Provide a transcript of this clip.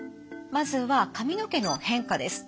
まずは髪の毛の変化です。